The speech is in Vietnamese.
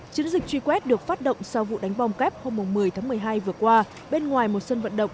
chiến dịch truy quét được phát động sau vụ đánh bom kép hôm một mươi tháng một mươi hai vừa qua bên ngoài một sân vận động